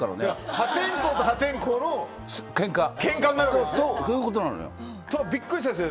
破天荒と破天荒のけんかになるわけですね。